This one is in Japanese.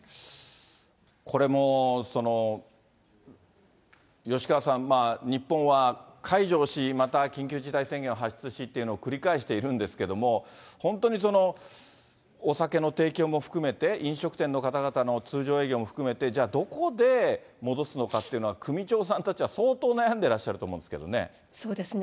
これも、吉川さん、日本は解除をし、また緊急事態宣言を発出しっていうのを繰り返しているんですけども、本当にお酒の提供も含めて、飲食店の方々の通常営業も含めて、じゃあ、どこで戻すのかっていうのは首長さんたちは相当悩んでらっしゃるそうですね。